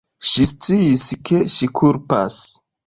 Ŝi sciis, ke ŝi kulpas.